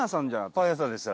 パン屋さんでした。